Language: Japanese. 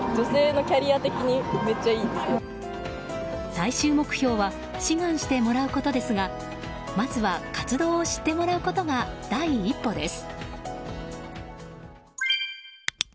最終目標は志願してもらうことですがまずは活動を知ってもらうことが第一歩です。